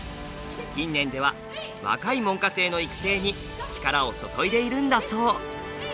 近年では若い門下生の育成に力を注いでいるんだそう。